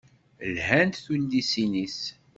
Lhant tullisin-is.